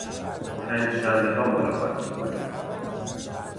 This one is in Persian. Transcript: پنجشنبهها ملاقات میکنیم.